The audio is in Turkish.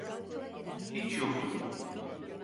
Hiç yoktu.